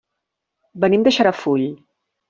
Venim de Xarafull.